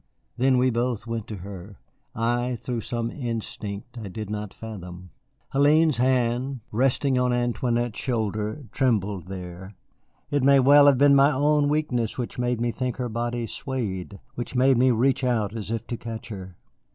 Then we both went to her, I through some instinct I did not fathom. Hélène's hand, resting on Antoinette's shoulder, trembled there. It may well have been my own weakness which made me think her body swayed, which made me reach out as if to catch her.